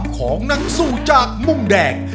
ของนักสู้จากมุมแดง